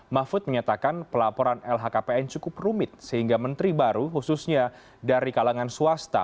mahfud menyatakan pelaporan lhkpn cukup rumit sehingga menteri baru khususnya dari kalangan swasta